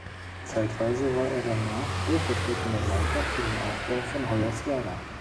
Zeitweise war er danach stellvertretender Leiter für den Aufbau von Hoyerswerda.